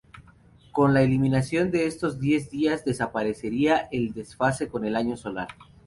Con la eliminación de estos diez días desaparecía el desfase con el año solar.